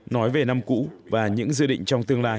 nói về năm cũ và những dự định trong tương lai